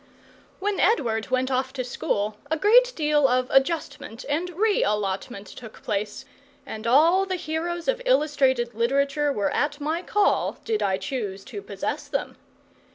When Edward went off to school a great deal of adjustment and re allotment took place, and all the heroes of illustrated literature were at my call, did I choose to possess them.